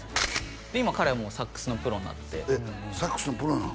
今彼はもうサックスのプロになってサックスのプロなの？